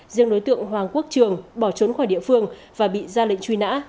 riêng đối tượng hoàng quốc trường bỏ trốn khỏi địa phương và bị ra lệnh truy nã